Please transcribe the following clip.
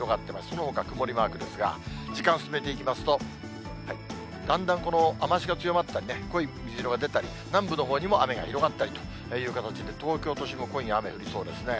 そのほか曇りマークですが、時間進めていきますと、だんだんこの雨足が強まったりね、濃い水色が出たり、南部のほうにも雨が広がったりという形で、東京都心も今夜雨降りそうですね。